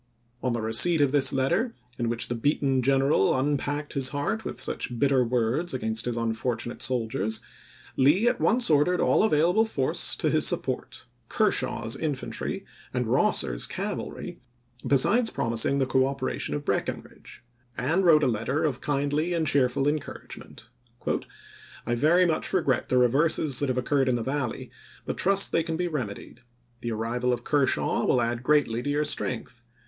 On the receipt of this letter, in which the beaten general unpacked his heart with such bitter words against his unfortunate soldiers, Lee at once ordered all available force to his support, Ker shaw's infantry and Kosser's cavalry, besides promising the cooperation of Breckinridge; and wrote a letter of kindly and cheerful encourage ment. " I very much regret the reverses that have occurred in the Valley, but trust they can be rem edied. The arrival of Kershaw will add greatly to your strength.